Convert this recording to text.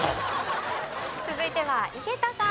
続いては井桁さん。